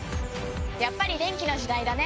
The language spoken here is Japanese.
やっぱり電気の時代だね！